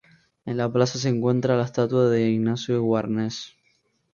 En la plaza se encuentra la estatua de Ignacio Warnes.